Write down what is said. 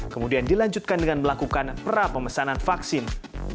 kemudian dilanjutkan dengan melakukan pra pemesanan vaksin